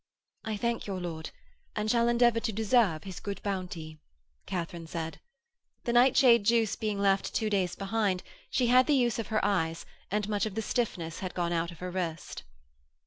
'I thank your lord, and shall endeavour to deserve his good bounty,' Katharine said. The nightshade juice being left two days behind she had the use of her eyes and much of the stiffness had gone out of her wrist.